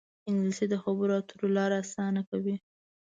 انګلیسي د خبرو اترو لاره اسانه کوي